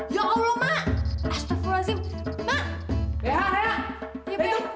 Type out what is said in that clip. ya allah astagfirullahaladzim